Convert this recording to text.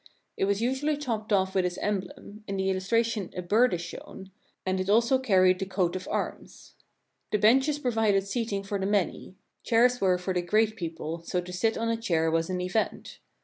It was usually topped off with his emblem, — in the illustration a bird is shown, — and it also carried the coat of arms. The benches provided seat ing for the many; chairs were for the great people, so to sit on a chair was an event.